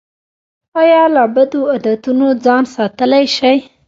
ایا له بدو عادتونو ځان ساتلی شئ؟